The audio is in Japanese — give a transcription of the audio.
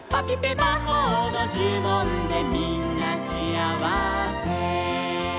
「まほうのじゅもんでみんなしあわせ」